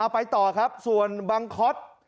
ไปต่อครับส่วนบังค๊อต